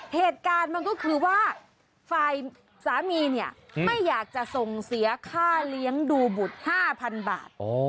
เหตุการณ์มันก็คือว่าฝ่ายสามีเนี่ยไม่อยากจะส่งเสียค่าเลี้ยงดูบุตร๕๐๐๐บาท